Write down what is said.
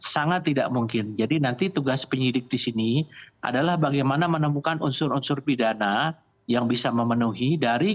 sangat tidak mungkin jadi nanti tugas penyidik di sini adalah bagaimana menemukan unsur unsur pidana yang bisa memenuhi dari